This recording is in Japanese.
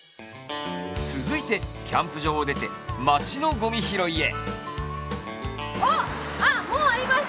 続いてキャンプ場を出て街のごみ拾いへ。